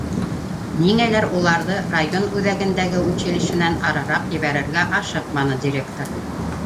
Ниңәлер уларҙы район үҙәгендәге училищенан арыраҡ ебәрергә ашыҡманы директор.